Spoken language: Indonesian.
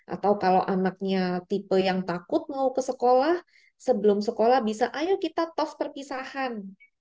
atau kalau anaknya tipe yang takut mau ke sekolah sebelum sekolah bisa ayo kita tos perpisahan